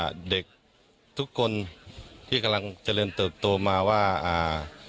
ก็ให้เป็นอุทาหอนสอนกับเด็กทุกคนที่กำลังเจริญเติบโตมาว่า